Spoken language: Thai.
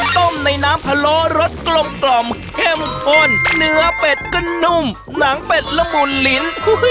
ต้มในน้ำพะโล้รสกลมเข้มข้นเนื้อเป็ดก็นุ่มหนังเป็ดละมุนลิ้น